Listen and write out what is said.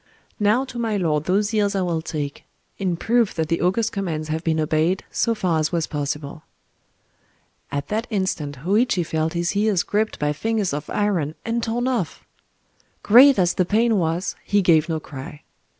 Now to my lord those ears I will take—in proof that the august commands have been obeyed, so far as was possible"... At that instant Hōïchi felt his ears gripped by fingers of iron, and torn off! Great as the pain was, he gave no cry.